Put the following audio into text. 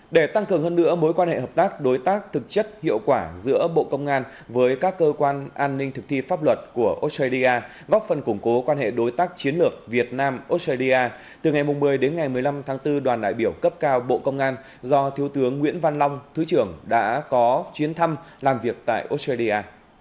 để tăng cường hơn nữa mối quan hệ hợp tác đối tác thực chất hiệu quả giữa bộ công an với các cơ quan an ninh thực thi pháp luật của australia góp phần củng cố quan hệ đối tác chiến lược việt nam australia từ ngày một mươi đến ngày một mươi năm tháng bốn đoàn đại biểu cấp cao bộ công an do thiếu tướng nguyễn văn long thứ trưởng đã có chuyến thăm làm việc tại australia